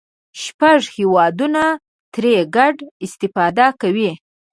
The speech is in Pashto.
شپږ هېوادونه ترې ګډه استفاده کوي.